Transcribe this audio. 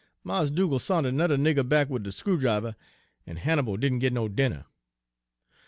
Mars' Dugal' sont ernudder nigger back wid de screw driver, en Hannibal didn' git no dinner.